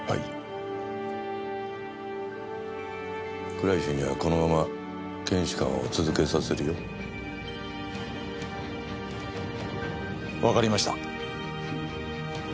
倉石にはこのまま検視官を続けさせるよ。わかりました。